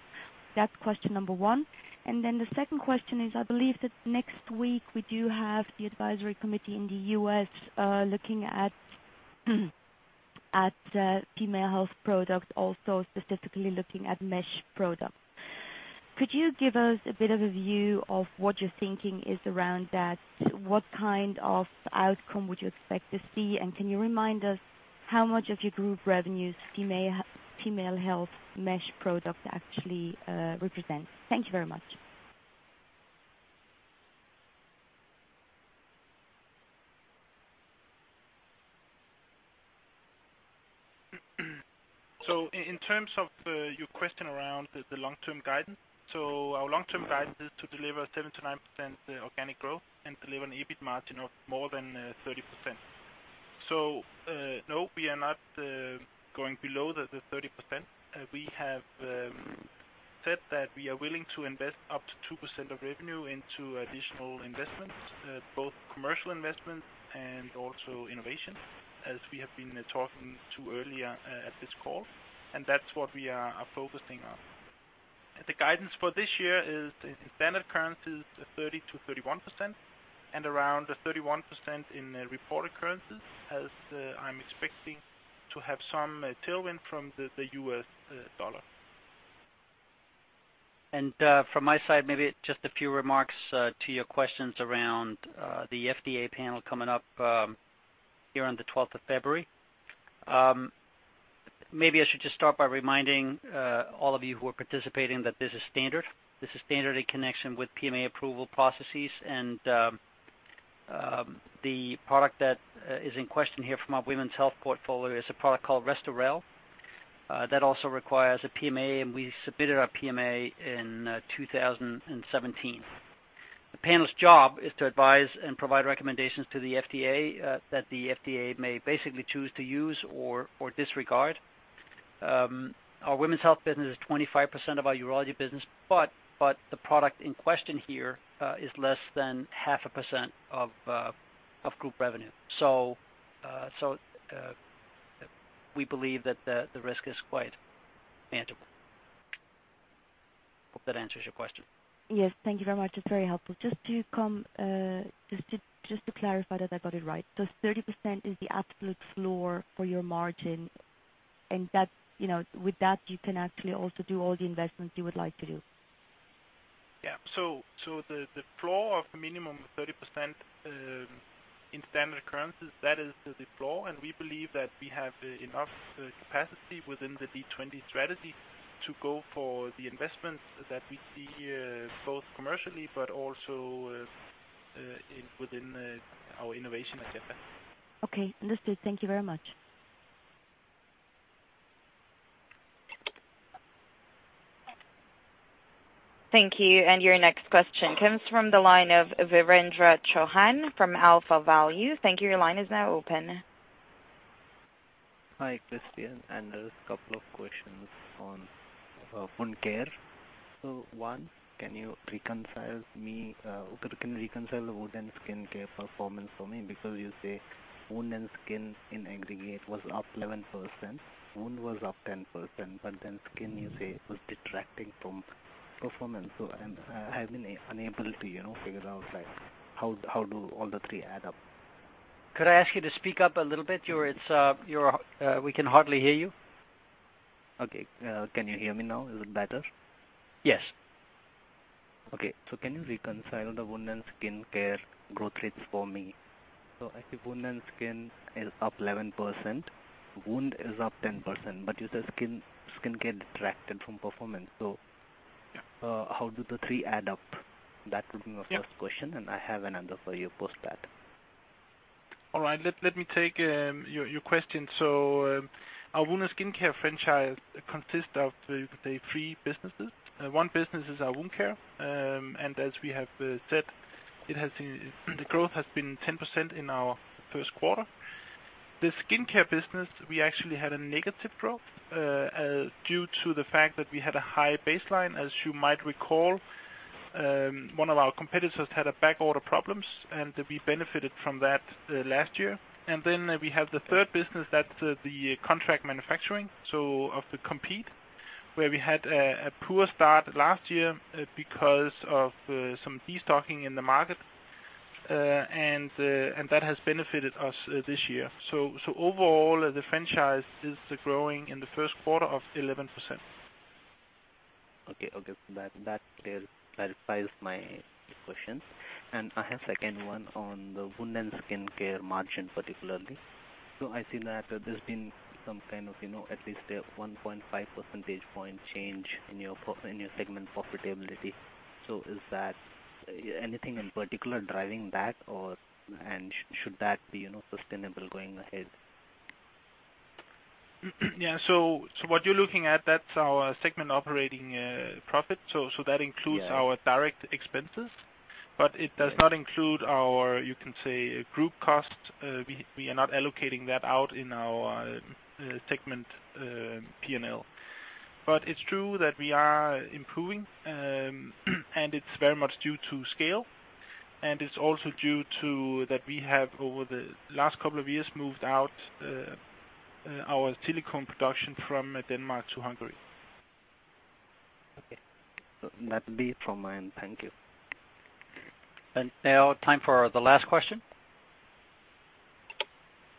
S10: That's question number one. The second question is, I believe that next week we do have the advisory committee in the U.S., looking at, female health products, also specifically looking at mesh products. Could you give us a bit of a view of what your thinking is around that? What kind of outcome would you expect to see? Can you remind us how much of your group revenues female health mesh product actually represents? Thank you very much.
S2: In terms of your question around the long-term guidance, our long-term guidance is to deliver 7% to 9% organic growth and deliver an EBIT margin of more than 30%. No, we are not going below the 30%. We have said that we are willing to invest up to 2% of revenue into additional investments, both commercial investments and also innovation, as we have been talking to earlier at this call, and that's what we are focusing on. The guidance for this year is the standard currency is 30%-31%, and around 31% in reported currencies, as, I'm expecting to have some tailwind from the U.S. dollar.
S3: From my side, maybe just a few remarks to your questions around the FDA panel coming up here on the 12th of February. Maybe I should just start by reminding all of you who are participating that this is standard. This is standard in connection with PMA approval processes, and the product that is in question here from our women's health portfolio is a product called Restorelle. That also requires a PMA, and we submitted our PMA in 2017. The panel's job is to advise and provide recommendations to the FDA that the FDA may basically choose to use or disregard. Our women's health business is 25% of our urology business, but the product in question here is less than half a % of group revenue. We believe that the risk is quite manageable. Hope that answers your question.
S10: Yes, thank you very much. It's very helpful. Just to clarify that I got it right. 30% is the absolute floor for your margin, and that, you know, with that, you can actually also do all the investments you would like to do?
S3: Yeah. The floor of minimum of 30%, in standard currencies, that is the floor. We believe that we have enough capacity within the LEAD20 strategy to go for the investments that we see, both commercially, but also within our innovation agenda.
S10: Okay, understood. Thank you very much.
S1: Thank you. Your next question comes from the line of Virendra Chauhan from AlphaValue. Thank you. Your line is now open.
S11: Hi, Kristian, there's a couple of questions on wound care. One, can you reconcile me, could you reconcile the wound and skincare performance for me? You say wound and skin in aggregate was up 11%, wound was up 10%, skin, you say, was detracting from performance. I've been unable to, you know, figure out, like, how do all the three add up?
S2: Could I ask you to speak up a little bit? We can hardly hear you.
S11: Okay. Can you hear me now? Is it better?
S2: Yes.
S11: Okay. Can you reconcile the wound and skin care growth rates for me? I see wound and skin is up 11%, wound is up 10%, but you said skin get detracted from performance. How do the three add up? That would be my first question, and I have another for you post that.
S3: All right. Let me take your question. Our wound and skincare franchise consists of, you could say, three businesses. One business is our wound care, and as we have said, the growth has been 10% in our first quarter. The skincare business, we actually had a negative growth due to the fact that we had a high baseline. As you might recall, one of our competitors had a backorder problems, and we benefited from that last year. Then we have the third business, that's the contract manufacturing, so of the Compeed, where we had a poor start last year because of some destocking in the market. That has benefited us this year. Overall, the franchise is growing in the first quarter of 11%.
S11: Okay. That clarifies my questions. I have second one on the wound and skin care margin, particularly. I see that there's been some kind of, you know, at least a 1.5 percentage point change in your segment profitability. Is that anything in particular driving that, or, and should that be, you know, sustainable going ahead?
S3: Yeah. What you're looking at, that's our segment operating profit. that includes-
S11: Yeah.
S3: Our direct expenses. It does not include our, you can say, group costs. We are not allocating that out in our segment P&L. It's true that we are improving, and it's very much due to scale, and it's also due to that we have, over the last couple of years, moved out our silicone production from Denmark to Hungary.
S11: Okay. That's be from my end. Thank you.
S2: Now time for the last question.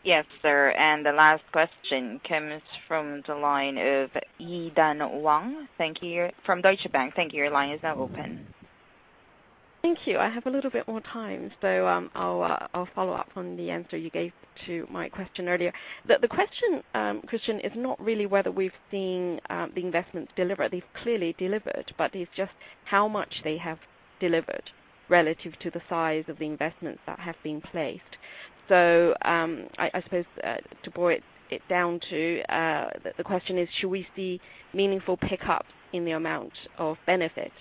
S1: Yes, sir. The last question comes from the line of Yi-Dan Wang. Thank you. From Deutsche Bank. Thank you. Your line is now open.
S9: Thank you. I have a little bit more time. I'll follow up on the answer you gave to my question earlier. The question, Kristian, is not really whether we've seen the investments delivered. They've clearly delivered, but it's just how much they have delivered relative to the size of the investments that have been placed. I suppose to boil it down to the question is: Should we see meaningful pick-up in the amount of benefit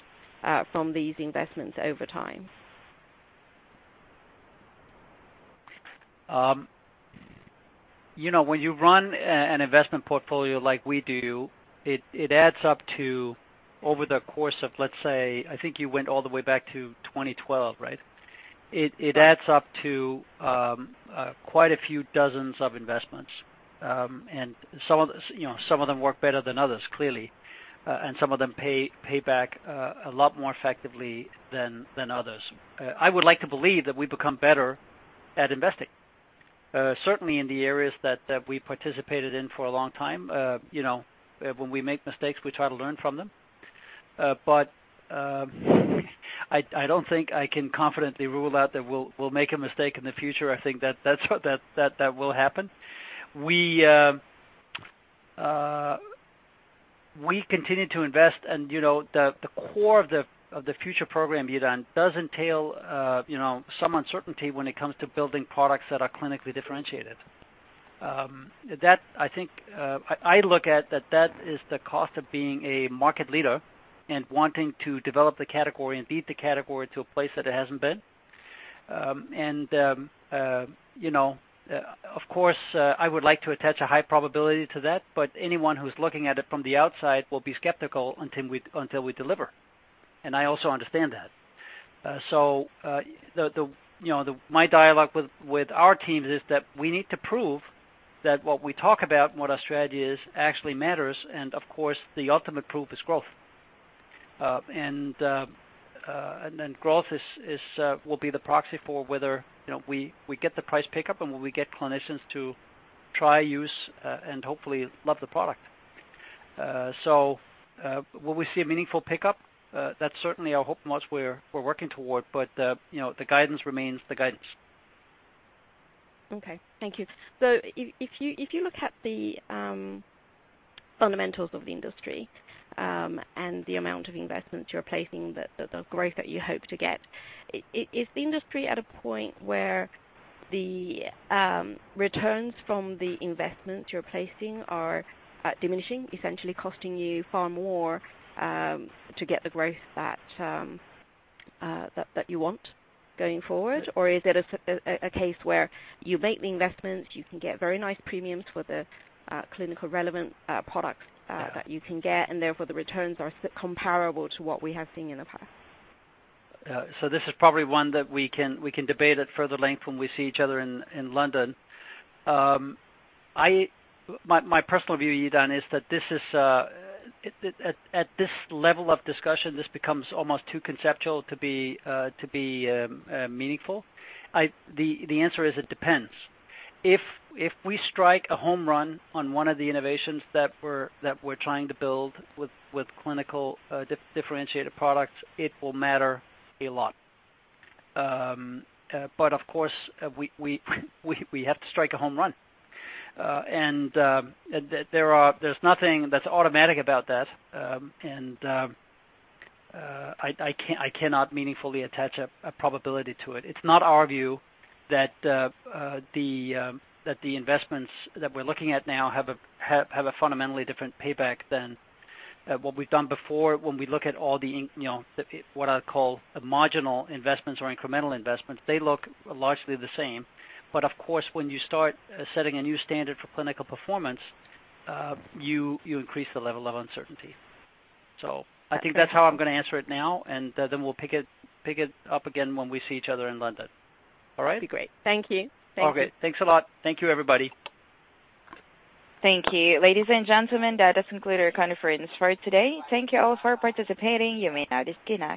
S9: from these investments over time?
S2: You know, when you run an investment portfolio like we do, it adds up to over the course of, let's say, I think you went all the way back to 2012, right? It adds up to quite a few dozens of investments. Some of the, you know, some of them work better than others, clearly, and some of them pay back a lot more effectively than others. I would like to believe that we've become better at investing, certainly in the areas that we participated in for a long time. You know, when we make mistakes, we try to learn from them. I don't think I can confidently rule out that we'll make a mistake in the future. I think that that's what that will happen. We continue to invest and, you know, the core of the, of the future program, Yi-Dan, does entail, you know, some uncertainty when it comes to building products that are clinically differentiated. That I think, I look at that is the cost of being a market leader and wanting to develop the category and beat the category to a place that it hasn't been. You know, of course, I would like to attach a high probability to that, but anyone who's looking at it from the outside will be skeptical until we deliver, and I also understand that. The, you know, my dialogue with our teams is that we need to prove that what we talk about and what our strategy is actually matters, and of course, the ultimate proof is growth. Then growth is will be the proxy for whether, you know, we get the price pickup, and when we get clinicians to try, use, and hopefully love the product. Will we see a meaningful pickup? That's certainly our hope and what we're working toward, but, you know, the guidance remains the guidance.
S9: Okay. Thank you. If you, if you look at the fundamentals of the industry, and the amount of investments you're placing, the growth that you hope to get, is the industry at a point where the returns from the investments you're placing are diminishing, essentially costing you far more to get the growth that you want going forward? Or is it a case where you make the investments, you can get very nice premiums for the clinical relevant products?
S2: Yeah
S9: That you can get, and therefore, the returns are comparable to what we have seen in the past?
S2: This is probably one that we can debate at further length when we see each other in London. My personal view, Yi-Dan, is that this is. At this level of discussion, this becomes almost too conceptual to be meaningful. The answer is, it depends. If we strike a home run on one of the innovations that we're trying to build with clinical differentiated products, it will matter a lot. Of course, we have to strike a home run. There's nothing that's automatic about that. I cannot meaningfully attach a probability to it. It's not our view that the investments that we're looking at now have a fundamentally different payback than what we've done before. When we look at all the you know, what I'd call the marginal investments or incremental investments, they look largely the same. Of course, when you start setting a new standard for clinical performance, you increase the level of uncertainty.
S9: Okay.
S2: I think that's how I'm gonna answer it now, and then we'll pick it up again when we see each other in London. All right?
S9: Be great. Thank you. Thank you.
S2: Okay. Thanks a lot. Thank you, everybody.
S1: Thank you. Ladies and gentlemen, that does conclude our conference for today. Thank you all for participating. You may now disconnect.